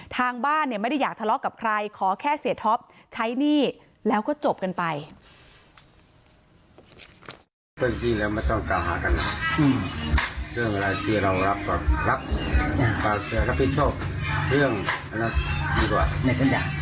ทางบ้านเนี่ยไม่ได้อยากทะเลาะกับใครขอแค่เสียท็อปใช้หนี้แล้วก็จบกันไป